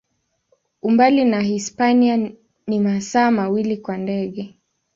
Umbali na Hispania ni masaa mawili kwa ndege.